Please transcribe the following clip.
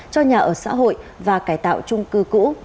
cho nhà ở xã hội và cải tạo trung cư cũ